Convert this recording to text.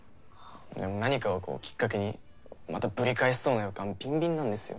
でも何かをこうきっかけにまたぶり返しそうな予感ビンビンなんですよ。